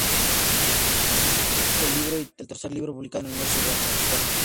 Es el cuarto libro y el tercer libro publicado en el Universo Warcraft.